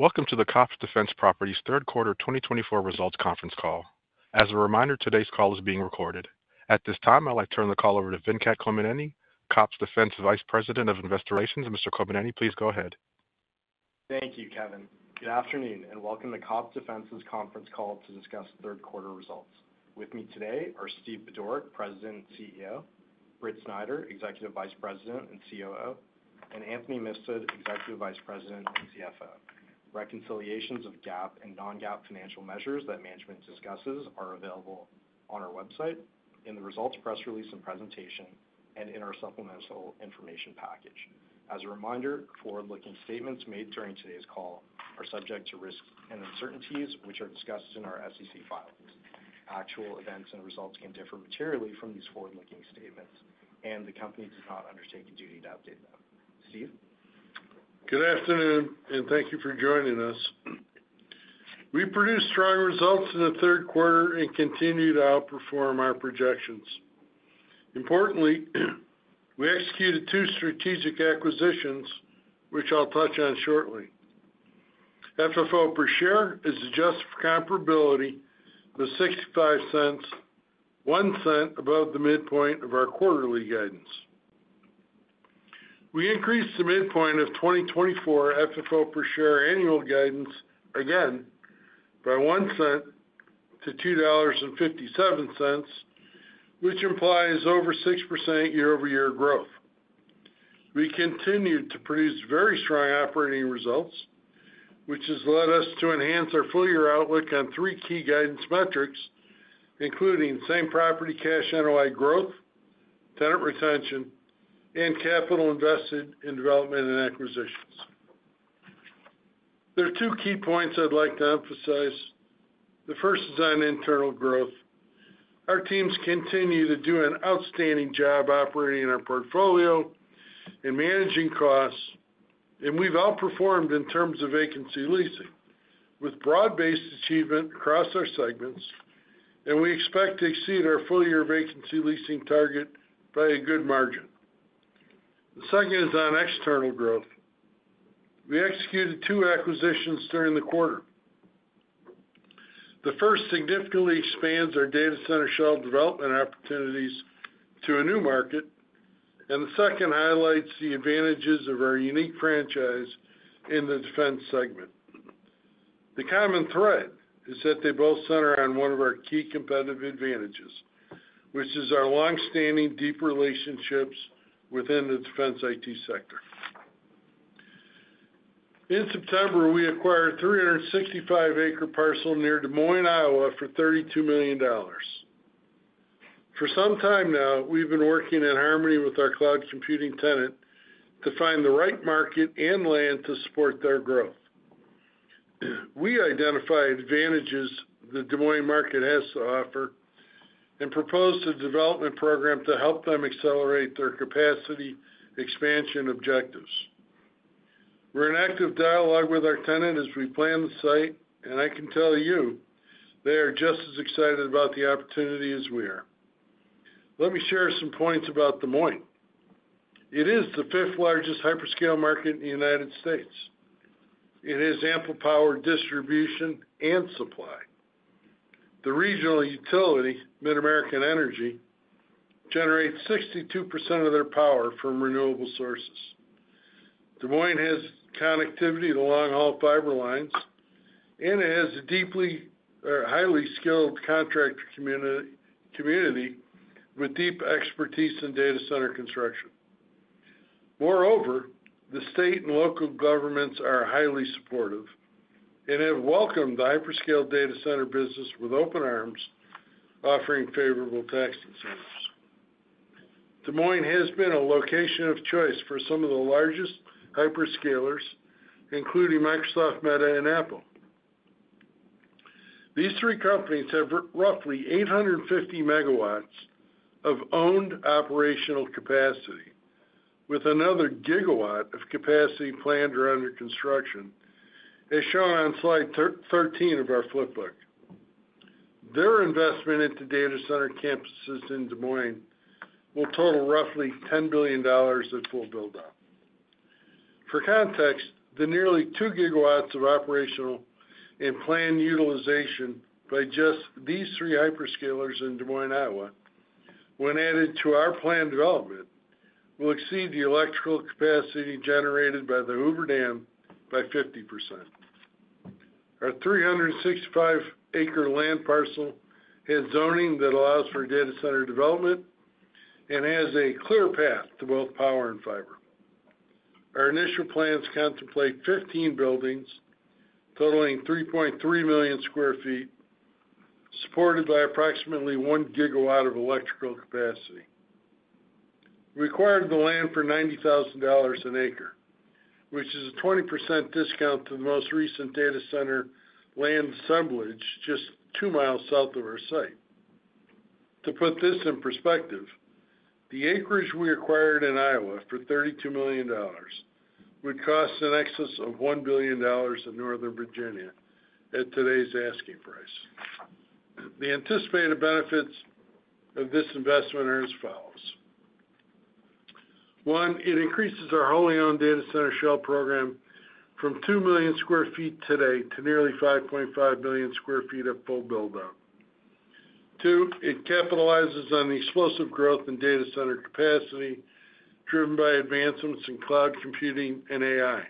Welcome to the COPT Defense Properties third quarter 2024 results conference call. As a reminder, today's call is being recorded. At this time, I'd like to turn the call over to Venkat Kommineni, COPT Defense Vice President of Investor Relations. Mr. Kommineni, please go ahead. Thank you, Kevin. Good afternoon, and welcome to COPT Defense Properties' conference call to discuss third quarter results. With me today are Steve Budorick, President and CEO, Britt Snider, Executive Vice President and COO, and Anthony Mifsud, Executive Vice President and CFO. Reconciliations of GAAP and non-GAAP financial measures that management discusses are available on our website, in the results press release and presentation, and in our supplemental information package. As a reminder, forward-looking statements made during today's call are subject to risks and uncertainties, which are discussed in our SEC filings. Actual events and results can differ materially from these forward-looking statements, and the company does not undertake a duty to update them. Steve? Good afternoon, and thank you for joining us. We produced strong results in the third quarter and continued to outperform our projections. Importantly, we executed two strategic acquisitions, which I'll touch on shortly. FFO per share is adjusted for comparability with $0.65, one cent above the midpoint of our quarterly guidance. We increased the midpoint of 2024 FFO per share annual guidance again by one cent to $2.57, which implies over 6% year-over-year growth. We continued to produce very strong operating results, which has led us to enhance our full-year outlook on three key guidance metrics, including same property cash NOI growth, tenant retention, and capital invested in development and acquisitions. There are two key points I'd like to emphasize. The first is on internal growth. Our teams continue to do an outstanding job operating our portfolio and managing costs, and we've outperformed in terms of vacancy leasing, with broad-based achievement across our segments, and we expect to exceed our full-year vacancy leasing target by a good margin. The second is on external growth. We executed two acquisitions during the quarter. The first significantly expands our data center shell development opportunities to a new market, and the second highlights the advantages of our unique franchise in the defense segment. The common thread is that they both center on one of our key competitive advantages, which is our long-standing deep relationships within the defense IT sector. In September, we acquired a 365-acre parcel near Des Moines, Iowa, for $32 million. For some time now, we've been working in harmony with our cloud computing tenant to find the right market and land to support their growth. We identify advantages the Des Moines market has to offer and propose a development program to help them accelerate their capacity expansion objectives. We're in active dialogue with our tenant as we plan the site, and I can tell you they are just as excited about the opportunity as we are. Let me share some points about Des Moines. It is the fifth largest hyperscale market in the United States. It has ample power distribution and supply. The regional utility, MidAmerican Energy, generates 62% of their power from renewable sources. Des Moines has connectivity to long-haul fiber lines, and it has a deeply or highly skilled contractor community with deep expertise in data center construction. Moreover, the state and local governments are highly supportive and have welcomed the hyperscale data center business with open arms, offering favorable tax incentives. Des Moines has been a location of choice for some of the largest hyperscalers, including Microsoft, Meta, and Apple. These three companies have roughly 850 megawatts of owned operational capacity, with another gigawatt of capacity planned or under construction, as shown on slide 13 of our flipbook. Their investment into data center campuses in Des Moines will total roughly $10 billion at full build-up. For context, the nearly two gigawatts of operational and planned utilization by just these three hyperscalers in Des Moines, Iowa, when added to our planned development, will exceed the electrical capacity generated by the Hoover Dam by 50%. Our 365-acre land parcel has zoning that allows for data center development and has a clear path to both power and fiber. Our initial plans contemplate 15 buildings totaling 3.3 million sq ft, supported by approximately one gigawatt of electrical capacity. We acquired the land for $90,000 an acre, which is a 20% discount to the most recent data center land assemblage just two miles south of our site. To put this in perspective, the acreage we acquired in Iowa for $32 million would cost an excess of $1 billion in Northern Virginia at today's asking price. The anticipated benefits of this investment are as follows. One, it increases our wholly owned data center shell program from 2 million sq ft today to nearly 5.5 million sq ft at full build-up. Two, it capitalizes on the explosive growth in data center capacity driven by advancements in cloud computing and AI.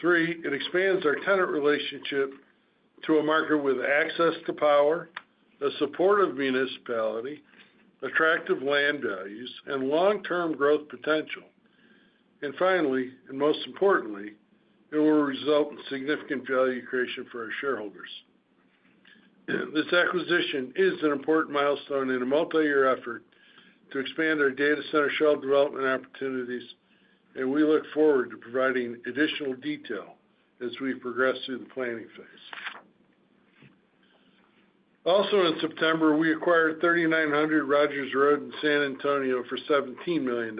Three, it expands our tenant relationship to a market with access to power, a supportive municipality, attractive land values, and long-term growth potential. And finally, and most importantly, it will result in significant value creation for our shareholders. This acquisition is an important milestone in a multi-year effort to expand our data center shell development opportunities, and we look forward to providing additional detail as we progress through the planning phase. Also, in September, we acquired 3900 Rogers Road in San Antonio for $17 million.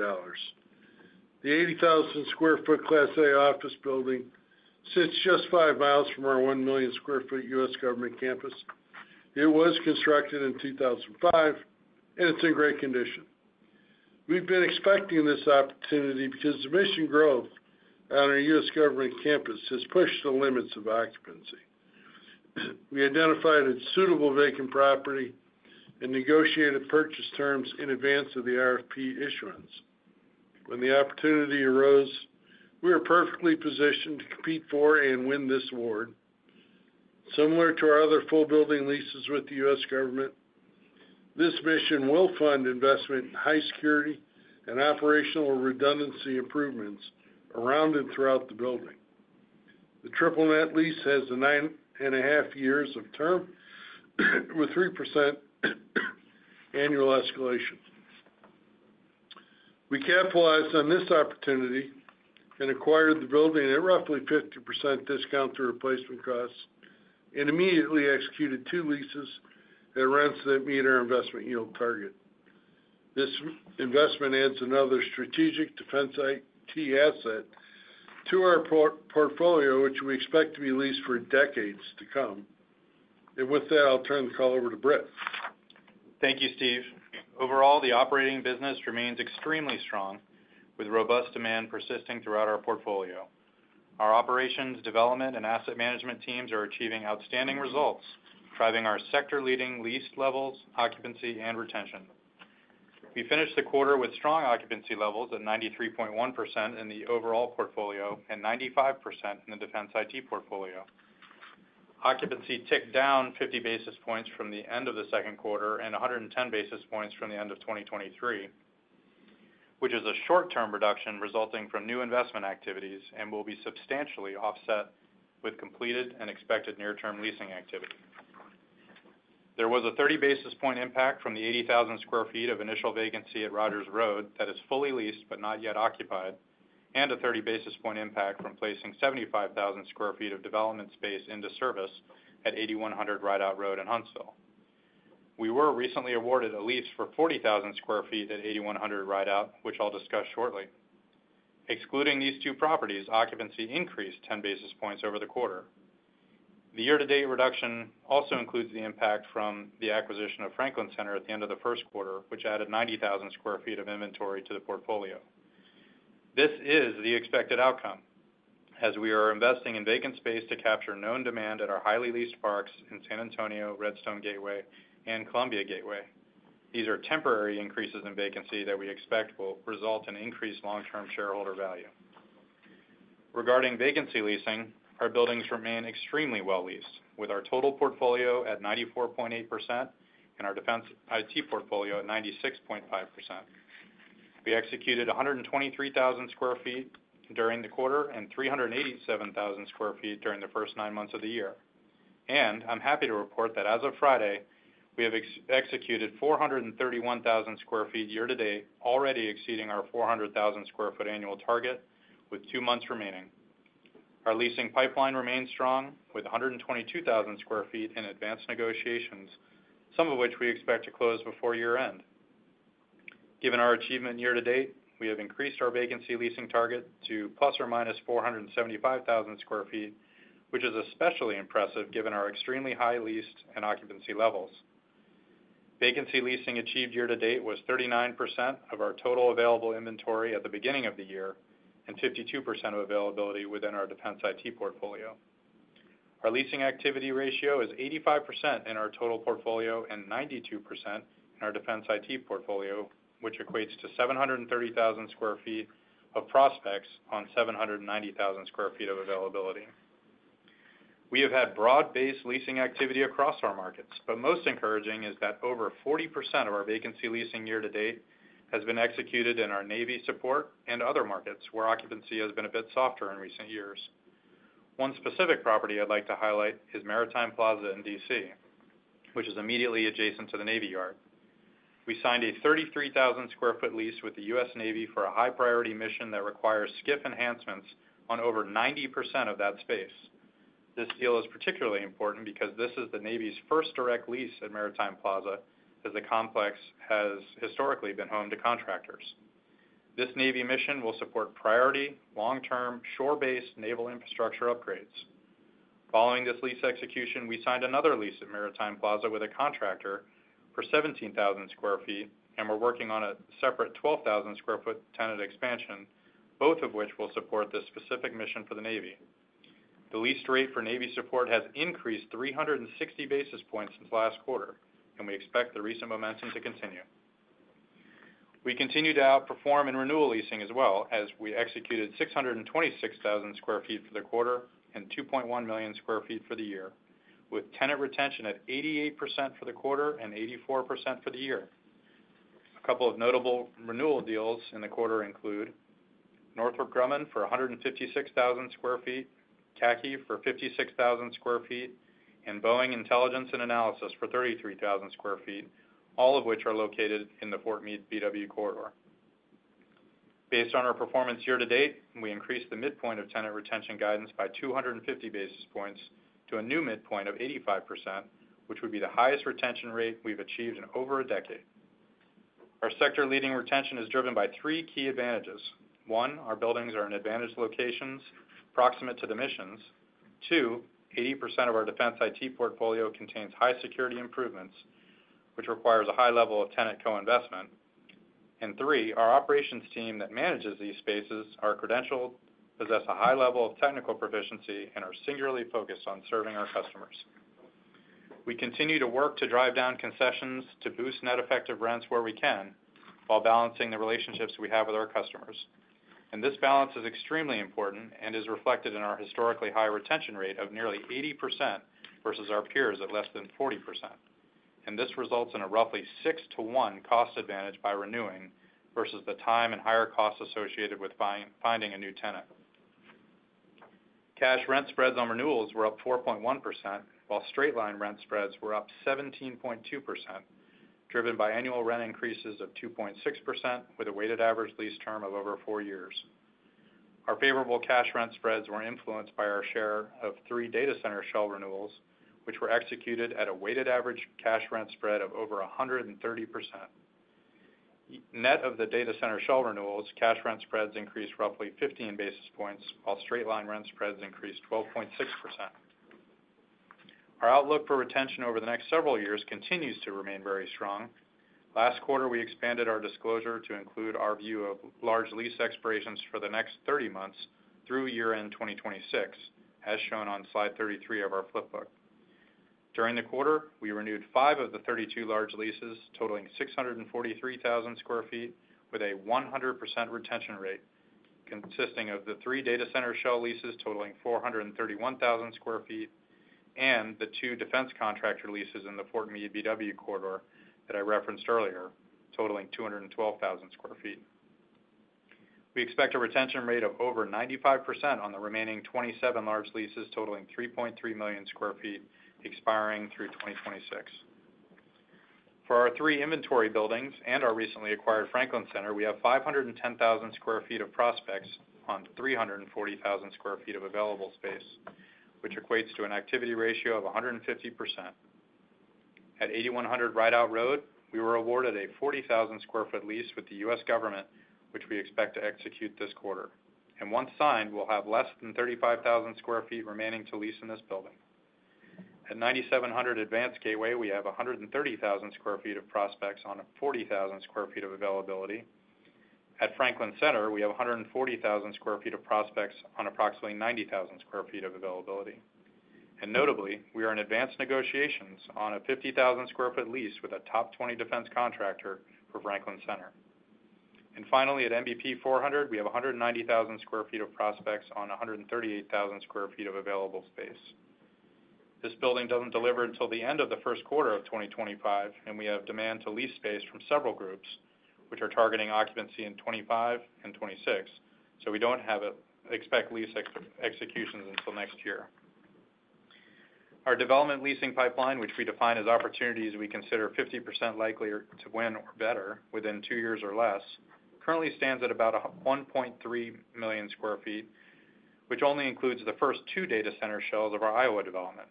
The 80,000 sq ft Class A office building sits just five miles from our 1 million sq ft U.S. government campus. It was constructed in 2005, and it's in great condition. We've been expecting this opportunity because the mission growth on our U.S. government campus has pushed the limits of occupancy. We identified a suitable vacant property and negotiated purchase terms in advance of the RFP issuance. When the opportunity arose, we were perfectly positioned to compete for and win this award. Similar to our other full building leases with the U.S. government, this mission will fund investment in high security and operational redundancy improvements around and throughout the building. The triple net lease has a nine and a half years of term with 3% annual escalation. We capitalized on this opportunity and acquired the building at roughly 50% discount to replacement costs and immediately executed two leases that runs that meet our investment yield target. This investment adds another strategic defense IT asset to our portfolio, which we expect to be leased for decades to come. And with that, I'll turn the call over to Britt. Thank you, Steve. Overall, the operating business remains extremely strong, with robust demand persisting throughout our portfolio. Our operations, development, and asset management teams are achieving outstanding results, driving our sector-leading lease levels, occupancy, and retention. We finished the quarter with strong occupancy levels at 93.1% in the overall portfolio and 95% in the defense IT portfolio. Occupancy ticked down 50 basis points from the end of the second quarter and 110 basis points from the end of 2023, which is a short-term reduction resulting from new investment activities and will be substantially offset with completed and expected near-term leasing activity. There was a 30 basis point impact from the 80,000 sq ft of initial vacancy at Rogers Road that is fully leased but not yet occupied, and a 30 basis point impact from placing 75,000 sq ft of development space into service at 8100 Rideout Road in Huntsville. We were recently awarded a lease for 40,000 sq ft at 8100 Rideout, which I'll discuss shortly. Excluding these two properties, occupancy increased 10 basis points over the quarter. The year-to-date reduction also includes the impact from the acquisition of Franklin Center at the end of the first quarter, which added 90,000 sq ft of inventory to the portfolio. This is the expected outcome as we are investing in vacant space to capture known demand at our highly leased parks in San Antonio, Redstone Gateway, and Columbia Gateway. These are temporary increases in vacancy that we expect will result in increased long-term shareholder value. Regarding vacancy leasing, our buildings remain extremely well leased, with our total portfolio at 94.8% and our defense IT portfolio at 96.5%. We executed 123,000 sq ft during the quarter and 387,000 sq ft during the first nine months of the year. I'm happy to report that as of Friday, we have executed 431,000 sq ft year-to-date, already exceeding our 400,000 sq ft annual target with two months remaining. Our leasing pipeline remains strong with 122,000 sq ft in advanced negotiations, some of which we expect to close before year-end. Given our achievement year-to-date, we have increased our vacancy leasing target to plus or minus 475,000 sq ft, which is especially impressive given our extremely high lease and occupancy levels. Vacancy leasing achieved year-to-date was 39% of our total available inventory at the beginning of the year and 52% of availability within our defense IT portfolio. Our leasing activity ratio is 85% in our total portfolio and 92% in our defense IT portfolio, which equates to 730,000 sq ft of prospects on 790,000 sq ft of availability. We have had broad-based leasing activity across our markets, but most encouraging is that over 40% of our vacancy leasing year-to-date has been executed in our Navy support and other markets where occupancy has been a bit softer in recent years. One specific property I'd like to highlight is Maritime Plaza in DC, which is immediately adjacent to the Navy Yard. We signed a 33,000 sq ft lease with the U.S. Navy for a high-priority mission that requires SCIF enhancements on over 90% of that space. This deal is particularly important because this is the Navy's first direct lease at Maritime Plaza as the complex has historically been home to contractors. This Navy mission will support priority long-term shore-based naval infrastructure upgrades. Following this lease execution, we signed another lease at Maritime Plaza with a contractor for 17,000 sq ft, and we're working on a separate 12,000 sq ft tenant expansion, both of which will support this specific mission for the Navy. The lease rate for Navy support has increased 360 basis points since last quarter, and we expect the recent momentum to continue. We continue to outperform in renewal leasing as well, as we executed 626,000 sq ft for the quarter and 2.1 million sq ft for the year, with tenant retention at 88% for the quarter and 84% for the year. A couple of notable renewal deals in the quarter include Northrop Grumman for 156,000 sq ft, CACI for 56,000 sq ft, and Boeing Intelligence and Analysis for 33,000 sq ft, all of which are located in the Fort Meade BW corridor. Based on our performance year-to-date, we increased the midpoint of tenant retention guidance by 250 basis points to a new midpoint of 85%, which would be the highest retention rate we've achieved in over a decade. Our sector-leading retention is driven by three key advantages. One, our buildings are in advantaged locations proximate to the missions. Two, 80% of our defense IT portfolio contains high security improvements, which requires a high level of tenant co-investment. And three, our operations team that manages these spaces are credentialed, possess a high level of technical proficiency, and are singularly focused on serving our customers. We continue to work to drive down concessions to boost net effective rents where we can while balancing the relationships we have with our customers. This balance is extremely important and is reflected in our historically high retention rate of nearly 80% versus our peers at less than 40%. This results in a roughly 6 to 1 cost advantage by renewing versus the time and higher cost associated with finding a new tenant. Cash rent spreads on renewals were up 4.1%, while straight-line rent spreads were up 17.2%, driven by annual rent increases of 2.6% with a weighted average lease term of over four years. Our favorable cash rent spreads were influenced by our share of three data center shell renewals, which were executed at a weighted average cash rent spread of over 130%. Net of the data center shell renewals, cash rent spreads increased roughly 15 basis points, while straight-line rent spreads increased 12.6%. Our outlook for retention over the next several years continues to remain very strong. Last quarter, we expanded our disclosure to include our view of large lease expirations for the next 30 months through year-end 2026, as shown on slide 33 of our flipbook. During the quarter, we renewed five of the 32 large leases totaling 643,000 sq ft with a 100% retention rate, consisting of the three data center shell leases totaling 431,000 sq ft and the two defense contractor leases in the Fort Meade BW corridor that I referenced earlier, totaling 212,000 sq ft. We expect a retention rate of over 95% on the remaining 27 large leases totaling 3.3 million sq ft expiring through 2026. For our three inventory buildings and our recently acquired Franklin Center, we have 510,000 sq ft of prospects on 340,000 sq ft of available space, which equates to an activity ratio of 150%. At 8100 Rideout Road, we were awarded a 40,000 sq ft lease with the U.S. government, which we expect to execute this quarter, and once signed, we'll have less than 35,000 sq ft remaining to lease in this building. At 9700 Columbia Gateway, we have 130,000 sq ft of prospects on 40,000 sq ft of availability. At Franklin Center, we have 140,000 sq ft of prospects on approximately 90,000 sq ft of availability, and notably, we are in advanced negotiations on a 50,000 sq ft lease with a top 20 defense contractor for Franklin Center, and finally, at 400 NBP, we have 190,000 sq ft of prospects on 138,000 sq ft of available space. This building doesn't deliver until the end of the first quarter of 2025, and we have demand to lease space from several groups, which are targeting occupancy in 2025 and 2026, so we don't have to expect lease executions until next year. Our development leasing pipeline, which we define as opportunities we consider 50% likely to win or better within two years or less, currently stands at about 1.3 million sq ft, which only includes the first two data center shells of our Iowa development.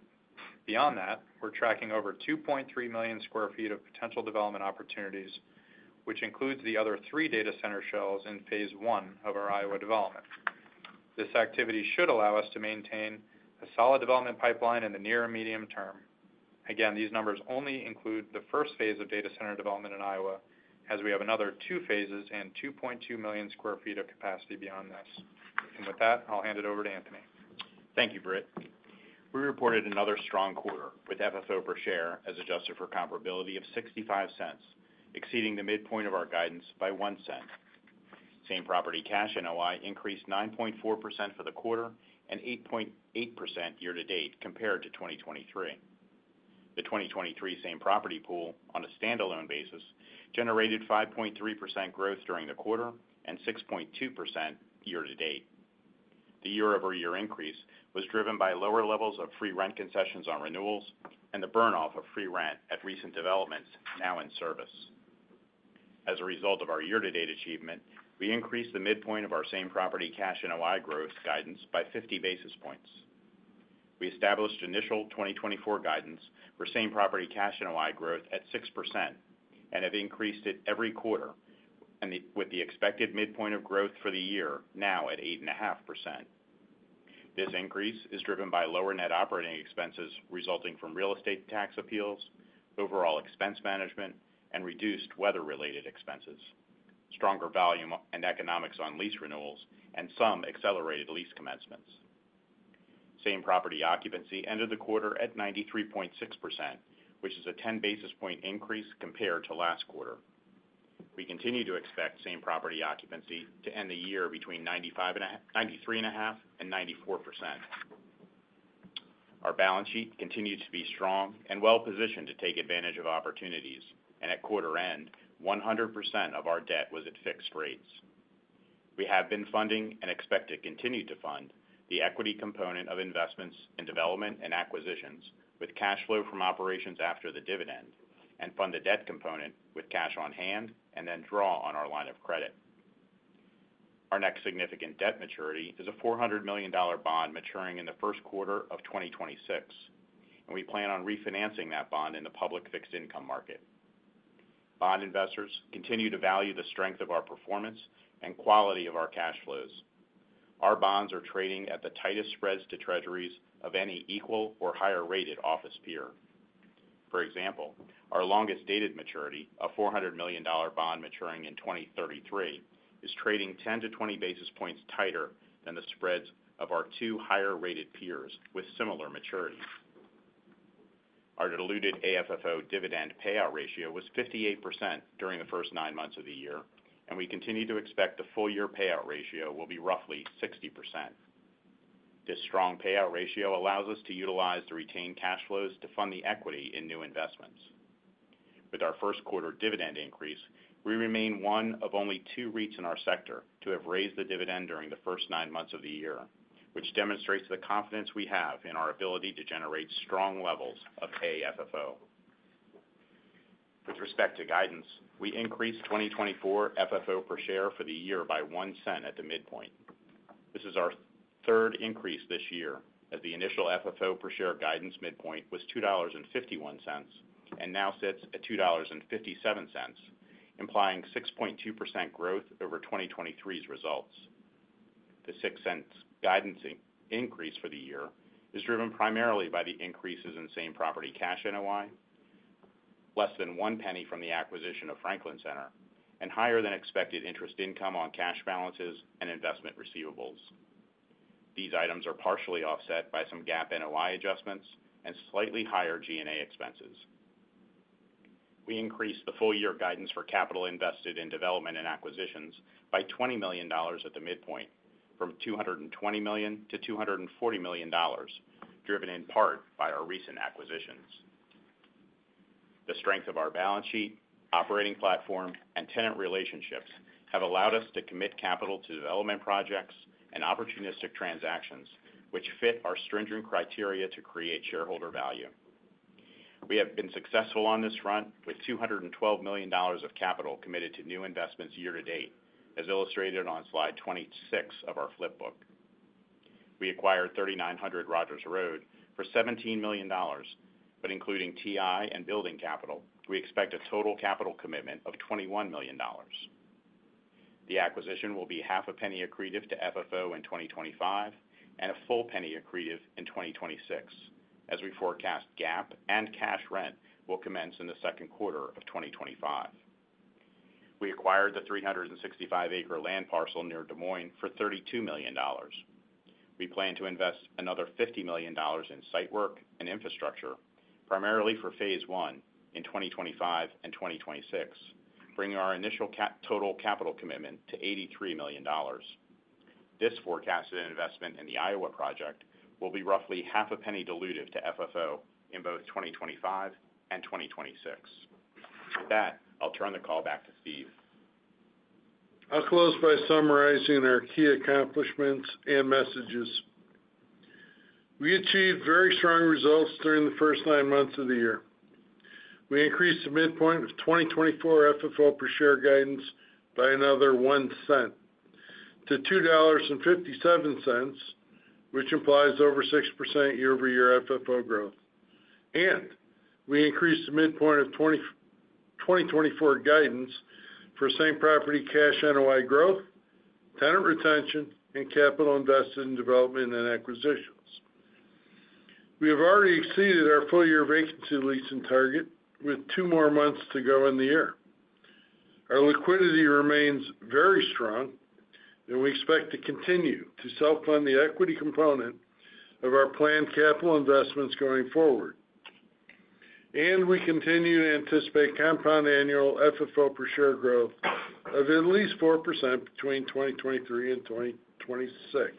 Beyond that, we're tracking over 2.3 million sq ft of potential development opportunities, which includes the other three data center shells in phase one of our Iowa development. This activity should allow us to maintain a solid development pipeline in the near and medium term. Again, these numbers only include the first phase of data center development in Iowa, as we have another two phases and 2.2 million sq ft of capacity beyond this, and with that, I'll hand it over to Anthony. Thank you, Britt. We reported another strong quarter with FFO per share as adjusted for comparability of $0.65, exceeding the midpoint of our guidance by $0.01. Same Property Cash NOI increased 9.4% for the quarter and 8.8% year-to-date compared to 2023. The 2023 Same Property pool on a standalone basis generated 5.3% growth during the quarter and 6.2% year-to-date. The year-over-year increase was driven by lower levels of free rent concessions on renewals and the burn-off of free rent at recent developments now in service. As a result of our year-to-date achievement, we increased the midpoint of our Same Property Cash NOI growth guidance by 50 basis points. We established initial 2024 guidance for Same Property Cash NOI growth at 6% and have increased it every quarter, with the expected midpoint of growth for the year now at 8.5%. This increase is driven by lower net operating expenses resulting from real estate tax appeals, overall expense management, and reduced weather-related expenses, stronger volume and economics on lease renewals, and some accelerated lease commencements. Same Property Occupancy ended the quarter at 93.6%, which is a 10 basis point increase compared to last quarter. We continue to expect Same Property Occupancy to end the year between 93.5% and 94%. Our balance sheet continues to be strong and well-positioned to take advantage of opportunities, and at quarter end, 100% of our debt was at fixed rates. We have been funding and expect to continue to fund the equity component of investments in development and acquisitions with cash flow from operations after the dividend, and fund the debt component with cash on hand and then draw on our line of credit. Our next significant debt maturity is a $400 million bond maturing in the first quarter of 2026, and we plan on refinancing that bond in the public fixed income market. Bond investors continue to value the strength of our performance and quality of our cash flows. Our bonds are trading at the tightest spreads to treasuries of any equal or higher-rated office peer. For example, our longest dated maturity, a $400 million bond maturing in 2033, is trading 10-20 basis points tighter than the spreads of our two higher-rated peers with similar maturity. Our diluted AFFO dividend payout ratio was 58% during the first nine months of the year, and we continue to expect the full-year payout ratio will be roughly 60%. This strong payout ratio allows us to utilize the retained cash flows to fund the equity in new investments. With our first quarter dividend increase, we remain one of only two REITs in our sector to have raised the dividend during the first nine months of the year, which demonstrates the confidence we have in our ability to generate strong levels of AFFO. With respect to guidance, we increased 2024 FFO per share for the year by $0.01 at the midpoint. This is our third increase this year, as the initial FFO per share guidance midpoint was $2.51 and now sits at $2.57, implying 6.2% growth over 2023's results. The $0.06 guidance increase for the year is driven primarily by the increases in Same Property Cash NOI, less than $0.01 from the acquisition of Franklin Center, and higher than expected interest income on cash balances and investment receivables. These items are partially offset by some GAAP NOI adjustments and slightly higher G&A expenses. We increased the full-year guidance for capital invested in development and acquisitions by $20 million at the midpoint, from $220 million-$240 million, driven in part by our recent acquisitions. The strength of our balance sheet, operating platform, and tenant relationships have allowed us to commit capital to development projects and opportunistic transactions, which fit our stringent criteria to create shareholder value. We have been successful on this front with $212 million of capital committed to new investments year-to-date, as illustrated on slide 26 of our flipbook. We acquired 3900 Rogers Road for $17 million, but including TI and building capital, we expect a total capital commitment of $21 million. The acquisition will be $0.005 accretive to FFO in 2025 and $0.01 accretive in 2026, as we forecast GAAP and cash rent will commence in the second quarter of 2025. We acquired the 365-acre land parcel near Des Moines for $32 million. We plan to invest another $50 million in site work and infrastructure, primarily for phase one in 2025 and 2026, bringing our initial total capital commitment to $83 million. This forecasted investment in the Iowa project will be roughly $0.005 diluted to FFO in both 2025 and 2026. With that, I'll turn the call back to Steve. I'll close by summarizing our key accomplishments and messages. We achieved very strong results during the first nine months of the year. We increased the midpoint of 2024 FFO per share guidance by another one cent to $2.57, which implies over 6% year-over-year FFO growth, and we increased the midpoint of 2024 guidance for Same Property Cash NOI growth, tenant retention, and capital invested in development and acquisitions. We have already exceeded our full-year vacancy lease and target with two more months to go in the year. Our liquidity remains very strong, and we expect to continue to self-fund the equity component of our planned capital investments going forward, and we continue to anticipate compound annual FFO per share growth of at least 4% between 2023 and 2026.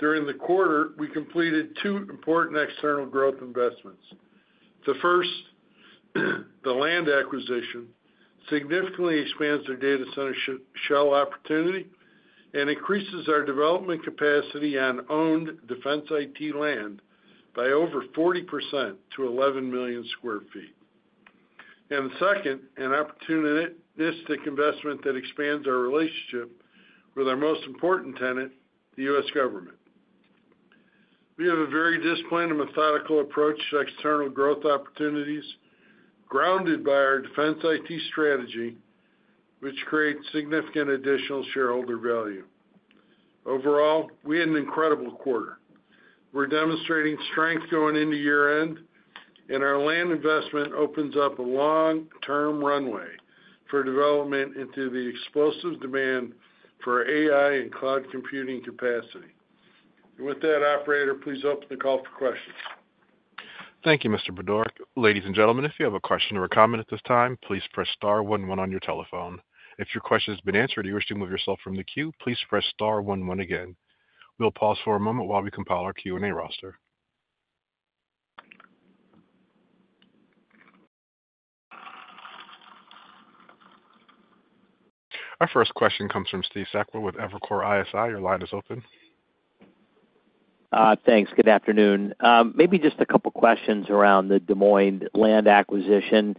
During the quarter, we completed two important external growth investments. The first, the land acquisition, significantly expands our data center shell opportunity and increases our development capacity on owned defense IT land by over 40% to 11 million sq ft. And the second, an opportunistic investment that expands our relationship with our most important tenant, the U.S. government. We have a very disciplined and methodical approach to external growth opportunities, grounded by our defense IT strategy, which creates significant additional shareholder value. Overall, we had an incredible quarter. We're demonstrating strength going into year-end, and our land investment opens up a long-term runway for development into the explosive demand for AI and cloud computing capacity. And with that, operator, please open the call for questions. Thank you, Mr. Budorick. Ladies and gentlemen, if you have a question or a comment at this time, please press Star one one on your telephone. If your question has been answered and you wish to move yourself from the queue, please press Star one one again. We'll pause for a moment while we compile our Q&A roster. Our first question comes from Steve Sakwa with Evercore ISI. Your line is open. Thanks. Good afternoon. Maybe just a couple of questions around the Des Moines land acquisition.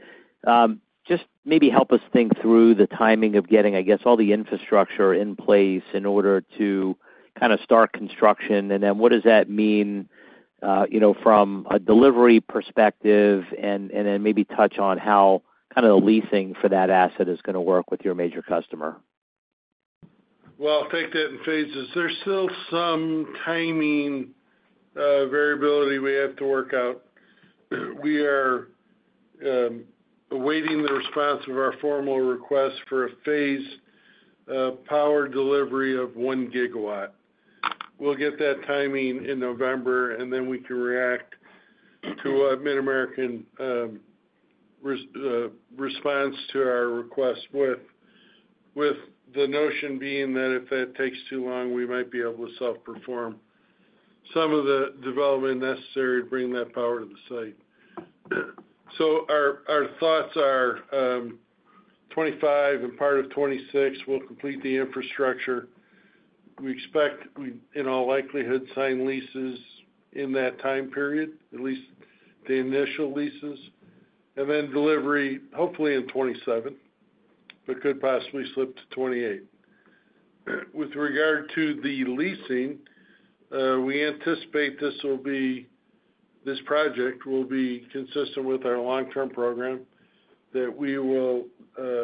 Just maybe help us think through the timing of getting, I guess, all the infrastructure in place in order to kind of start construction, and then what does that mean from a delivery perspective, and then maybe touch on how kind of the leasing for that asset is going to work with your major customer. I'll take that in phases. There's still some timing variability we have to work out. We are awaiting the response of our formal request for a phased power delivery of one gigawatt. We'll get that timing in November, and then we can react to what MidAmerican responds to our request with the notion being that if that takes too long, we might be able to self-perform some of the development necessary to bring that power to the site. So our thoughts are 2025 and part of 2026, we'll complete the infrastructure. We expect, in all likelihood, sign leases in that time period, at least the initial leases, and then delivery hopefully in 2027, but could possibly slip to 2028. With regard to the leasing, we anticipate this project will be consistent with our long-term program, that we will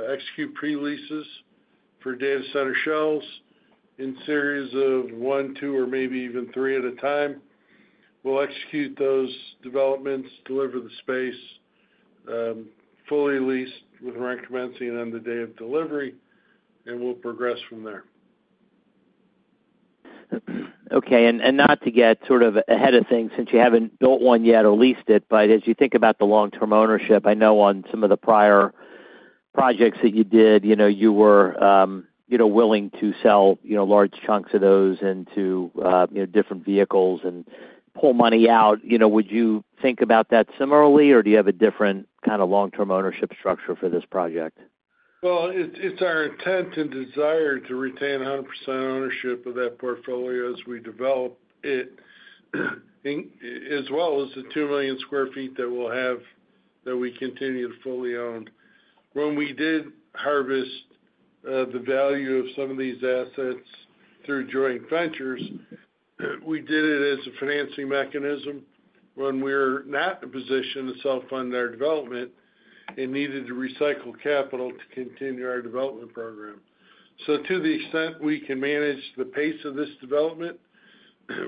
execute pre-leases for data center shells in series of one, two, or maybe even three at a time. We'll execute those developments, deliver the space fully leased with rent commencing on the day of delivery, and we'll progress from there. Okay. And not to get sort of ahead of things since you haven't built one yet or leased it, but as you think about the long-term ownership, I know on some of the prior projects that you did, you were willing to sell large chunks of those into different vehicles and pull money out. Would you think about that similarly, or do you have a different kind of long-term ownership structure for this project? It's our intent and desire to retain 100% ownership of that portfolio as we develop it, as well as the 2 million sq ft that we'll have that we continue to fully own. When we did harvest the value of some of these assets through joint ventures, we did it as a financing mechanism when we were not in a position to self-fund our development and needed to recycle capital to continue our development program. So to the extent we can manage the pace of this development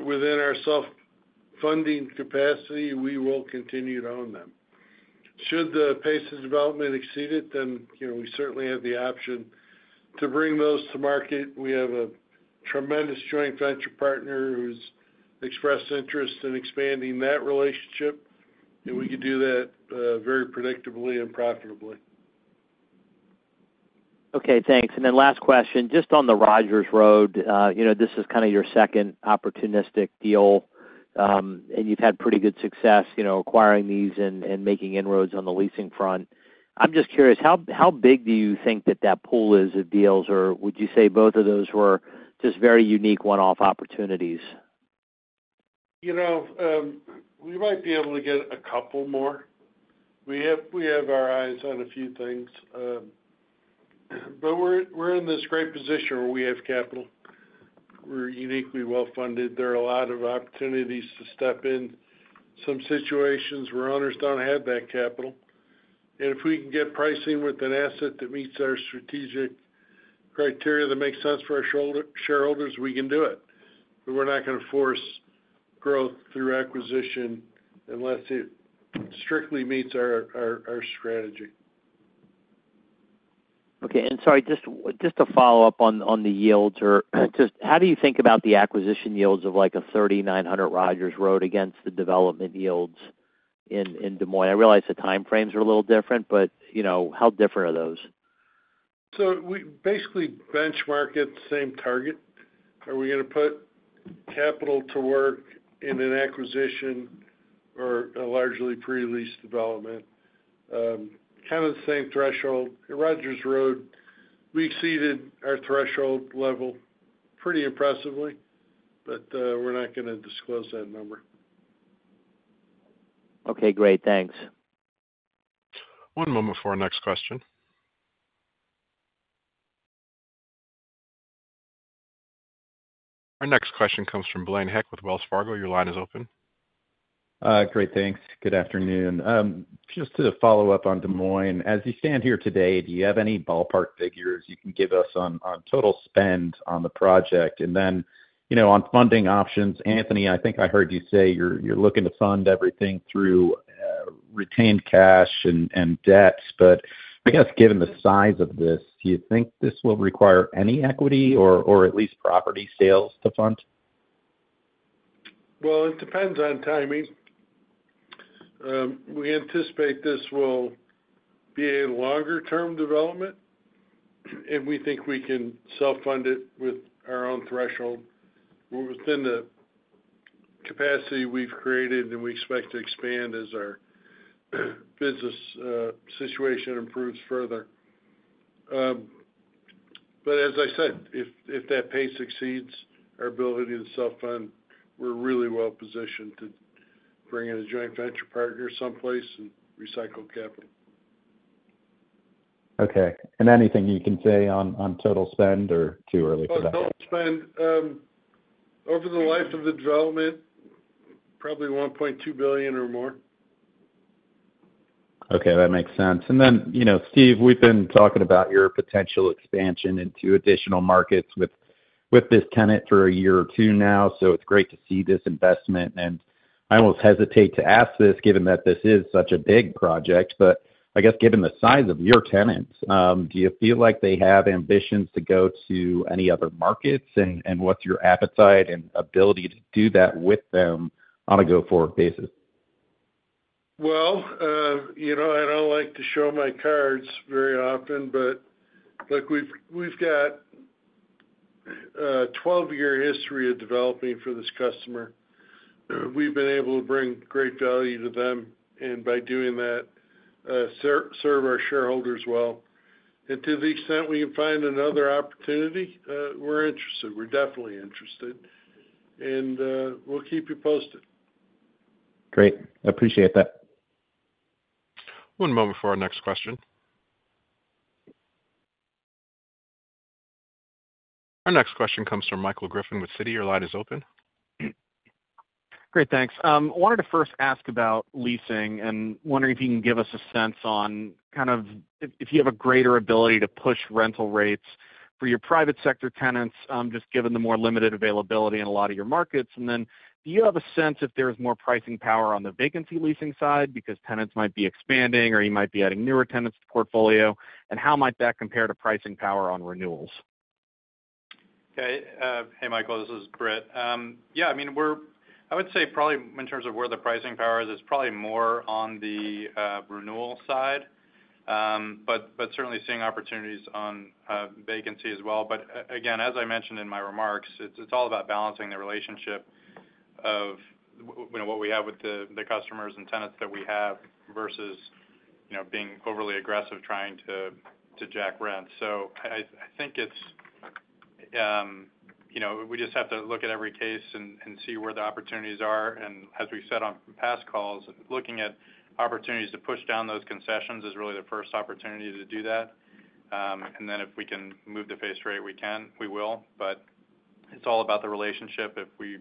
within our self-funding capacity, we will continue to own them. Should the pace of development exceed it, then we certainly have the option to bring those to market. We have a tremendous joint venture partner who's expressed interest in expanding that relationship, and we could do that very predictably and profitably. Okay. Thanks, and then last question, just on the Rogers Road, this is kind of your second opportunistic deal, and you've had pretty good success acquiring these and making inroads on the leasing front. I'm just curious, how big do you think that that pool is of deals, or would you say both of those were just very unique one-off opportunities? We might be able to get a couple more. We have our eyes on a few things, but we're in this great position where we have capital. We're uniquely well-funded. There are a lot of opportunities to step in some situations where owners don't have that capital. And if we can get pricing with an asset that meets our strategic criteria that makes sense for our shareholders, we can do it. But we're not going to force growth through acquisition unless it strictly meets our strategy. Okay. And sorry, just to follow up on the yields, or just how do you think about the acquisition yields of like a 3900 Rogers Road against the development yields in Des Moines? I realize the time frames are a little different, but how different are those? So we basically benchmark it, same target. Are we going to put capital to work in an acquisition or a largely pre-lease development? Kind of the same threshold. Rogers Road, we exceeded our threshold level pretty impressively, but we're not going to disclose that number. Okay. Great. Thanks. One moment for our next question. Our next question comes from Blaine Heck with Wells Fargo. Your line is open. Great. Thanks. Good afternoon. Just to follow up on Des Moines, as you stand here today, do you have any ballpark figures you can give us on total spend on the project? And then on funding options, Anthony, I think I heard you say you're looking to fund everything through retained cash and debts, but I guess given the size of this, do you think this will require any equity or at least property sales to fund? It depends on timing. We anticipate this will be a longer-term development, and we think we can self-fund it with our own threshold within the capacity we've created, and we expect to expand as our business situation improves further. But as I said, if that pace exceeds our ability to self-fund, we're really well-positioned to bring in a joint venture partner someplace and recycle capital. Okay. And anything you can say on total spend or too early for that? About total spend, over the life of the development, probably $1.2 billion or more. Okay. That makes sense. And then, Stephen, we've been talking about your potential expansion into additional markets with this tenant for a year or two now, so it's great to see this investment. And I almost hesitate to ask this given that this is such a big project, but I guess given the size of your tenants, do you feel like they have ambitions to go to any other markets, and what's your appetite and ability to do that with them on a go-forward basis? I don't like to show my cards very often, but look, we've got a 12-year history of developing for this customer. We've been able to bring great value to them and by doing that serve our shareholders well. To the extent we can find another opportunity, we're interested. We're definitely interested, and we'll keep you posted. Great. Appreciate that. One moment for our next question. Our next question comes from Michael Griffin with Citi. Your line is open. Great. Thanks. I wanted to first ask about leasing and wondering if you can give us a sense on kind of if you have a greater ability to push rental rates for your private sector tenants, just given the more limited availability in a lot of your markets. And then do you have a sense if there is more pricing power on the vacancy leasing side because tenants might be expanding or you might be adding newer tenants to the portfolio, and how might that compare to pricing power on renewals? Okay. Hey, Michael, this is Britt. Yeah. I mean, I would say probably in terms of where the pricing power is, it's probably more on the renewal side, but certainly seeing opportunities on vacancy as well. But again, as I mentioned in my remarks, it's all about balancing the relationship of what we have with the customers and tenants that we have versus being overly aggressive trying to jack rents. So I think we just have to look at every case and see where the opportunities are. And as we said on past calls, looking at opportunities to push down those concessions is really the first opportunity to do that. And then if we can move the pace right, we will. But it's all about the relationship. If we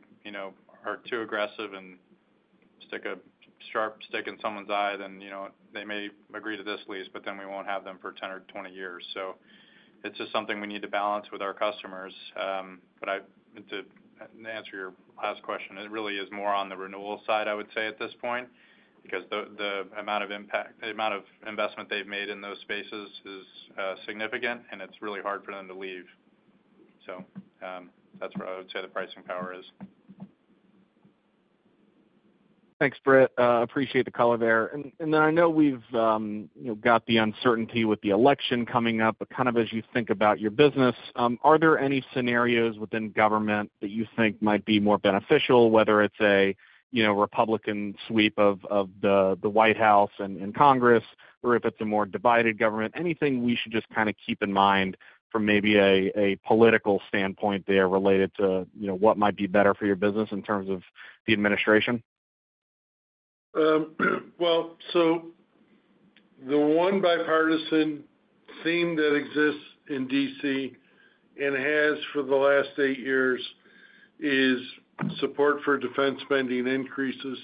are too aggressive and stick a sharp stick in someone's eye, then they may agree to this lease, but then we won't have them for 10 or 20 years. So it's just something we need to balance with our customers. But to answer your last question, it really is more on the renewal side, I would say, at this point, because the amount of investment they've made in those spaces is significant, and it's really hard for them to leave. So that's where I would say the pricing power is. Thanks, Britt. Appreciate the color there. And then I know we've got the uncertainty with the election coming up, but kind of as you think about your business, are there any scenarios within government that you think might be more beneficial, whether it's a Republican sweep of the White House and Congress, or if it's a more divided government? Anything we should just kind of keep in mind from maybe a political standpoint there related to what might be better for your business in terms of the administration? The one bipartisan theme that exists in DC and has for the last eight years is support for defense spending increases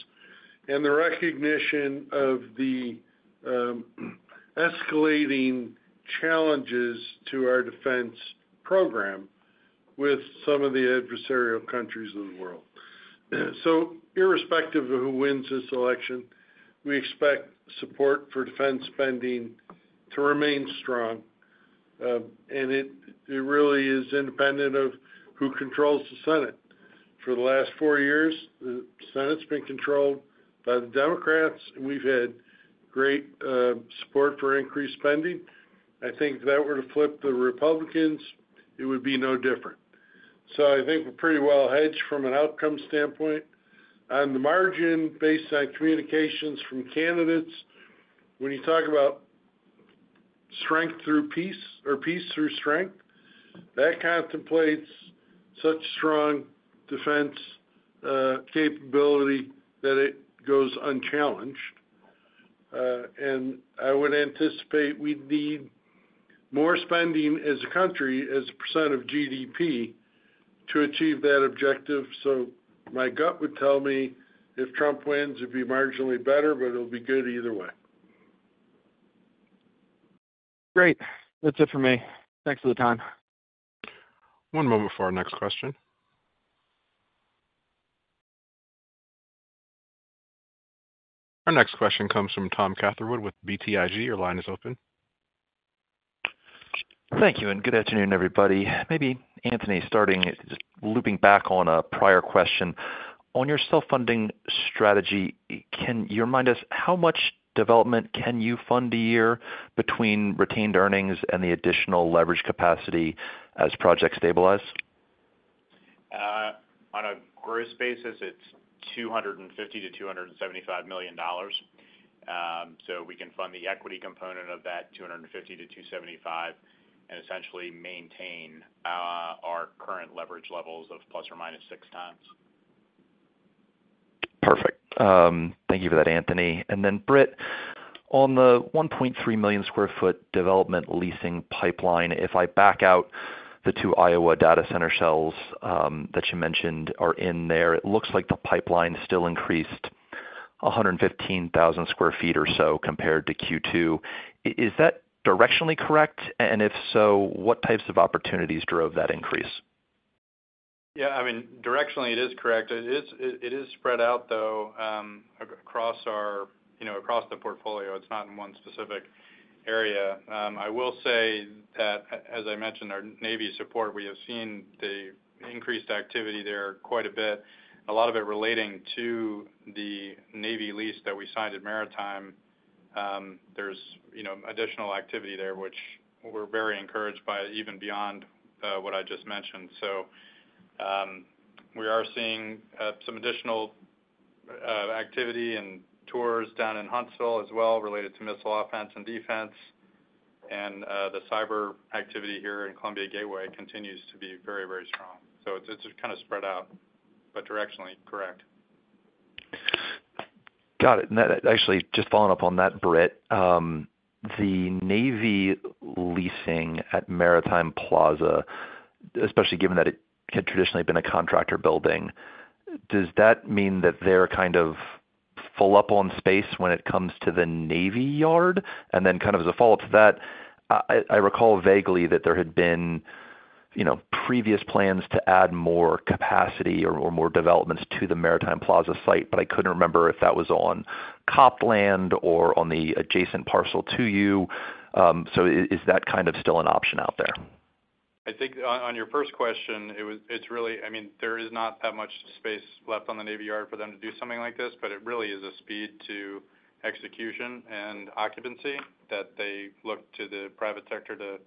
and the recognition of the escalating challenges to our defense program with some of the adversarial countries of the world. Irrespective of who wins this election, we expect support for defense spending to remain strong. It really is independent of who controls the Senate. For the last four years, the Senate's been controlled by the Democrats, and we've had great support for increased spending. I think if that were to flip the Republicans, it would be no different. I think we're pretty well hedged from an outcome standpoint. On the margin, based on communications from candidates, when you talk about strength through peace or peace through strength, that contemplates such strong defense capability that it goes unchallenged. And I would anticipate we'd need more spending as a country, as a % of GDP, to achieve that objective. So my gut would tell me if Trump wins, it'd be marginally better, but it'll be good either way. Great. That's it for me. Thanks for the time. One moment for our next question. Our next question comes from Tom Catherwood with BTIG. Your line is open. Thank you. And good afternoon, everybody. Maybe Anthony, starting to loop back on a prior question. On your self-funding strategy, can you remind us how much development can you fund a year between retained earnings and the additional leverage capacity as projects stabilize? On a gross basis, it's $250-$275 million. So we can fund the equity component of that $250-$275 and essentially maintain our current leverage levels of plus or minus six times. Perfect. Thank you for that, Anthony. And then Britt, on the 1.3 million sq ft development leasing pipeline, if I back out the two Iowa data center shells that you mentioned are in there, it looks like the pipeline still increased 115,000 sq ft or so compared to Q2. Is that directionally correct? And if so, what types of opportunities drove that increase? Yeah. I mean, directionally, it is correct. It is spread out, though, across the portfolio. It's not in one specific area. I will say that, as I mentioned, our Navy support, we have seen the increased activity there quite a bit, a lot of it relating to the Navy lease that we signed at Maritime. There's additional activity there, which we're very encouraged by even beyond what I just mentioned. So we are seeing some additional activity and tours down in Huntsville as well related to missile offense and defense. And the cyber activity here in Columbia Gateway continues to be very, very strong. So it's just kind of spread out, but directionally correct. Got it. And actually, just following up on that, Britt, the Navy leasing at Maritime Plaza, especially given that it had traditionally been a contractor building, does that mean that they're kind of full up on space when it comes to the Navy yard? And then kind of as a follow-up to that, I recall vaguely that there had been previous plans to add more capacity or more developments to the Maritime Plaza site, but I couldn't remember if that was on COPT land or on the adjacent parcel to you. So is that kind of still an option out there? I think on your first question, it's really I mean, there is not that much space left on the Navy Yard for them to do something like this, but it really is a speed to execution and occupancy that they look to the private sector to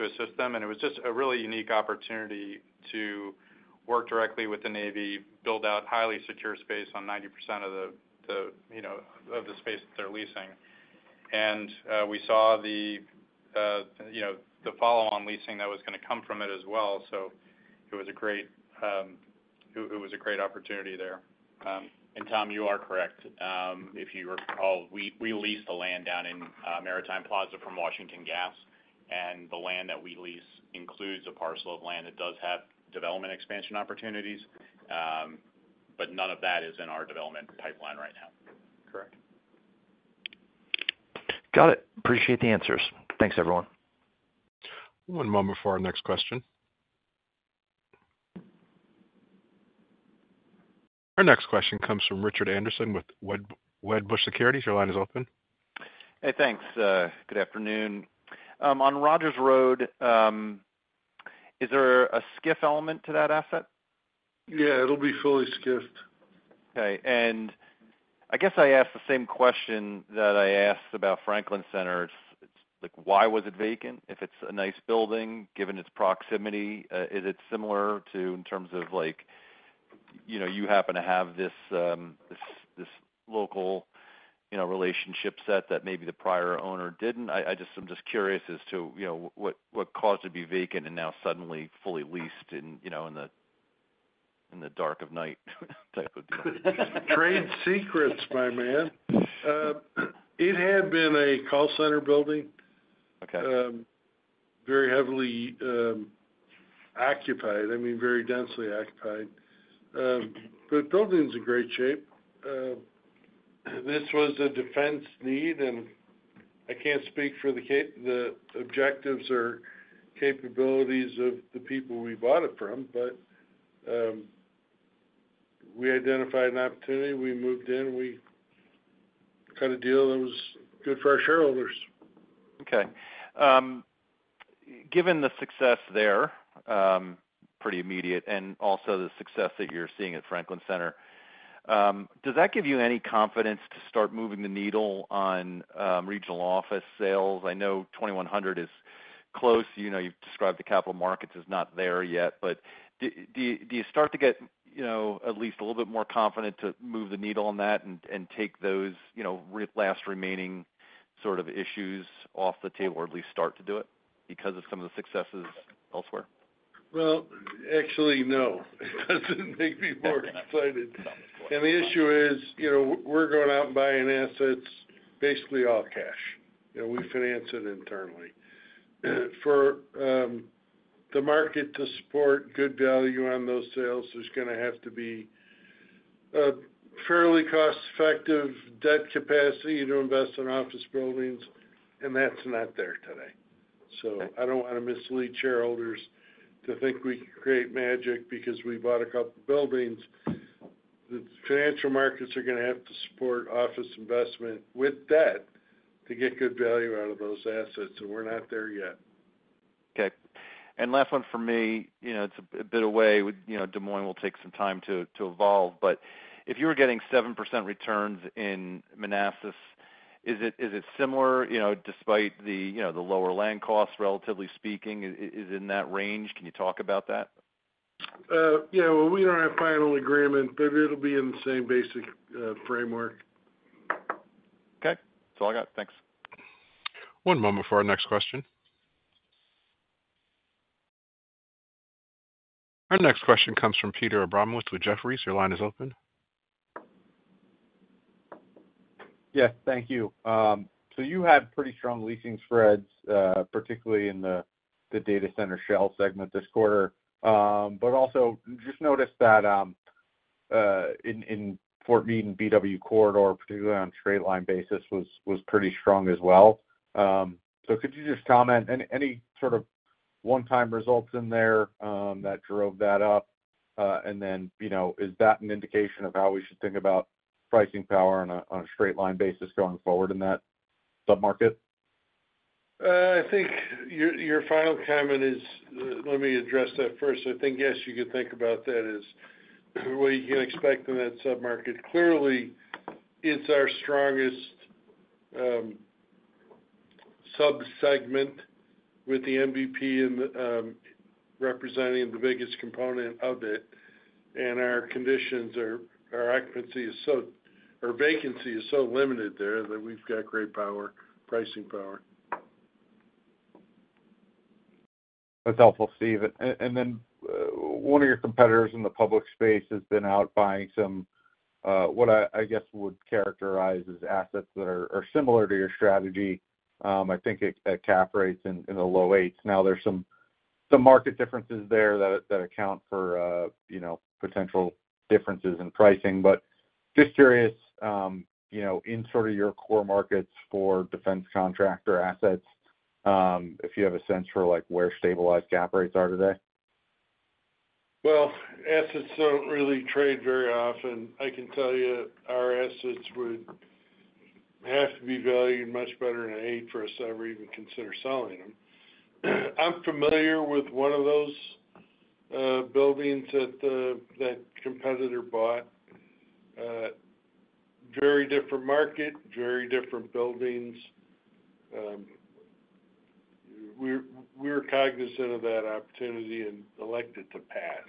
assist them. And it was just a really unique opportunity to work directly with the Navy, build out highly secure space on 90% of the space that they're leasing. And we saw the follow-on leasing that was going to come from it as well. So it was a great opportunity there. And Tom, you are correct. If you recall, we leased the land down in Maritime Plaza from Washington Gas, and the land that we lease includes a parcel of land that does have development expansion opportunities, but none of that is in our development pipeline right now. Correct. Got it. Appreciate the answers. Thanks, everyone. One moment for our next question. Our next question comes from Richard Anderson with Wedbush Securities. Your line is open. Hey, thanks. Good afternoon. On Rogers Road, is there a SCIF element to that asset? Yeah. It'll be fully SCIFed. Okay. And I guess I asked the same question that I asked about Franklin Center. Why was it vacant? If it's a nice building, given its proximity, is it similar to in terms of you happen to have this local relationship set that maybe the prior owner didn't? I'm just curious as to what caused it to be vacant and now suddenly fully leased in the dark of night type of deal. Trade secrets, my man. It had been a call center building, very heavily occupied, I mean, very densely occupied. But the building's in great shape. This was a defense need, and I can't speak for the objectives or capabilities of the people we bought it from, but we identified an opportunity. We moved in. We got a deal that was good for our shareholders. Okay. Given the success there, pretty immediate, and also the success that you're seeing at Franklin Center, does that give you any confidence to start moving the needle on regional office sales? I know 2100 is close. You've described the capital markets as not there yet, but do you start to get at least a little bit more confident to move the needle on that and take those last remaining sort of issues off the table or at least start to do it because of some of the successes elsewhere? Actually, no. It doesn't make me more excited. The issue is we're going out and buying assets basically all cash. We finance it internally. For the market to support good value on those sales, there's going to have to be a fairly cost-effective debt capacity to invest in office buildings, and that's not there today. I don't want to mislead shareholders to think we can create magic because we bought a couple of buildings. The financial markets are going to have to support office investment with debt to get good value out of those assets, and we're not there yet. Okay. And last one for me, it's a bit away. Des Moines will take some time to evolve. But if you were getting 7% returns in Manassas, is it similar despite the lower land costs, relatively speaking? Is it in that range? Can you talk about that? Yeah. Well, we don't have final agreement, but it'll be in the same basic framework. Okay. That's all I got. Thanks. One moment for our next question. Our next question comes from Peter Abramowitz with Jefferies. Your line is open. Yes. Thank you. So you had pretty strong leasing spreads, particularly in the data center shell segment this quarter. But also, just noticed that in Fort Meade and BW Corridor, particularly on straight-line basis, was pretty strong as well. So could you just comment? Any sort of one-time results in there that drove that up? And then is that an indication of how we should think about pricing power on a straight-line basis going forward in that submarket? I think your final comment is, let me address that first. I think, yes, you could think about that as what you can expect in that submarket. Clearly, it's our strongest subsegment with the NBP representing the biggest component of it. And our occupancy is so, or vacancy is so limited there that we've got great pricing power. That's helpful, Steve. And then one of your competitors in the public space has been out buying some what I guess would characterize as assets that are similar to your strategy, I think, at cap rates in the low eights. Now, there's some market differences there that account for potential differences in pricing. But just curious, in sort of your core markets for defense contractor assets, if you have a sense for where stabilized cap rates are today? Assets don't really trade very often. I can tell you our assets would have to be valued much better in an 8% for us to ever even consider selling them. I'm familiar with one of those buildings that competitor bought. Very different market, very different buildings. We were cognizant of that opportunity and elected to pass.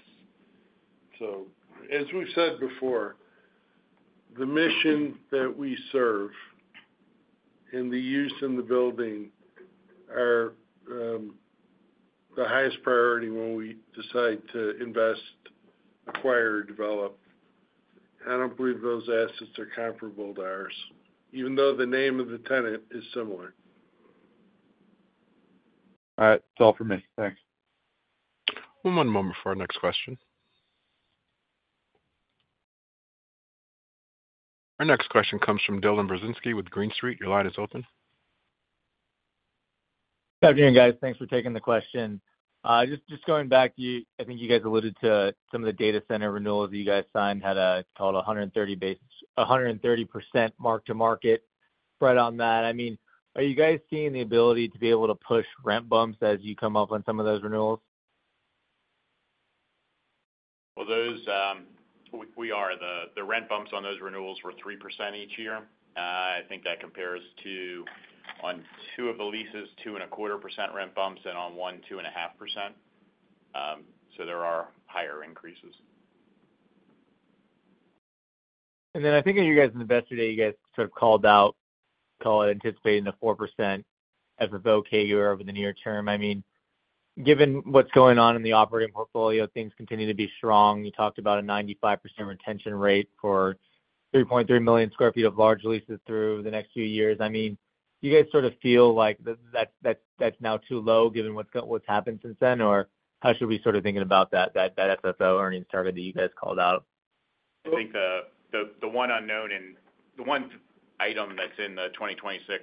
So as we've said before, the mission that we serve and the use in the building are the highest priority when we decide to invest, acquire, or develop. I don't believe those assets are comparable to ours, even though the name of the tenant is similar. All right. It's all from me. Thanks. One moment for our next question. Our next question comes from Dylan Burzzinski with Green Street. Your line is open. Good afternoon, guys. Thanks for taking the question. Just going back, I think you guys alluded to some of the data center renewals that you guys signed had a, call it, 130% mark-to-market spread on that. I mean, are you guys seeing the ability to be able to push rent bumps as you come up on some of those renewals? We are. The rent bumps on those renewals were 3% each year. I think that compares to on two of the leases, 2.25% rent bumps, and on one, 2.5%. So there are higher increases. And then I think in you guys' investor day, you guys sort of called out, call it, anticipating the 4% as a base year over the near term. I mean, given what's going on in the operating portfolio, things continue to be strong. You talked about a 95% retention rate for 3.3 million sq ft of large leases through the next few years. I mean, do you guys sort of feel like that's now too low given what's happened since then, or how should we sort of think about that FFO earnings target that you guys called out? I think the one unknown and the one item that's in the 2026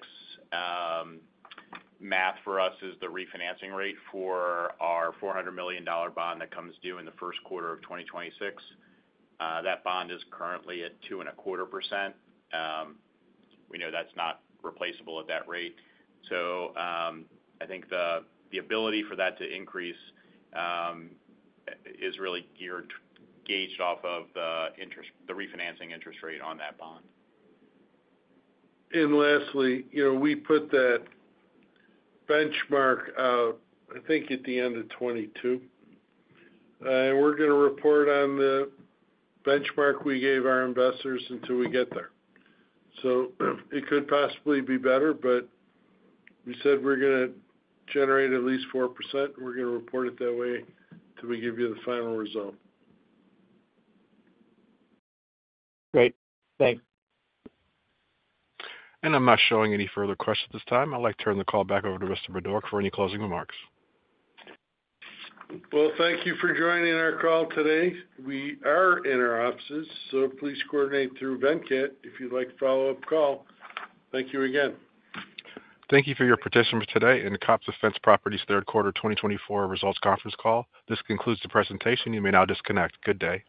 math for us is the refinancing rate for our $400 million bond that comes due in the first quarter of 2026. That bond is currently at 2.25%. We know that's not replaceable at that rate. So I think the ability for that to increase is really gauged off of the refinancing interest rate on that bond. Lastly, we put that benchmark out, I think, at the end of 2022. We're going to report on the benchmark we gave our investors until we get there. It could possibly be better, but we said we're going to generate at least 4%. We're going to report it that way until we give you the final result. Great. Thanks. I'm not showing any further questions at this time. I'd like to turn the call back over to Mr. Budorick for any closing remarks. Thank you for joining our call today. We are in our offices, so please coordinate through Venkat if you'd like a follow-up call. Thank you again. Thank you for your participation today in the COPT Defense Properties Third Quarter 2024 Results Conference Call. This concludes the presentation. You may now disconnect. Good day.